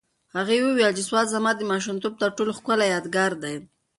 هغې وویل چې سوات زما د ماشومتوب تر ټولو ښکلی یادګار دی.